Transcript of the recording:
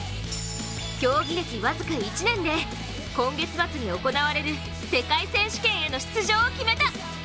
競技歴、僅か１年で今月末に行われる世界選手権への出場を決めた！